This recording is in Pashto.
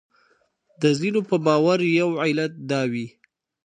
د ځینو په باور یو علت دا وي.